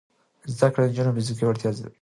زده کړه د نجونو فزیکي وړتیا زیاتوي.